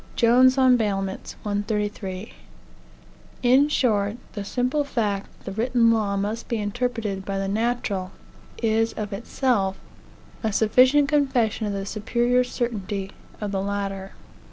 In short, the simple fact that the written law must be interpreted by the natural, is, of itself, a sufficient confession of the superior certainty of the latter.